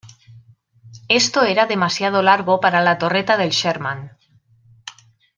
Esto era demasiado largo para la torreta del Sherman.